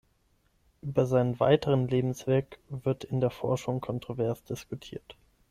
Über seinen weiteren Lebensweg wird in der Forschung kontrovers diskutiert.